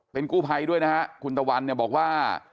เป็นกู้ภัยด้วยนะฮะคุณตะวันเนี่ยบอกว่า